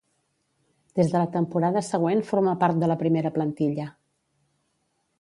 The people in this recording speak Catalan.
Des de la temporada següent forma part de la primera plantilla.